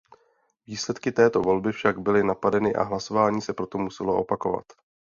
Výsledky této volby však byly napadeny a hlasování se proto muselo opakovat.